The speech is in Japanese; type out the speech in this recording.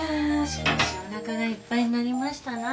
しかしおなかがいっぱいになりましたな。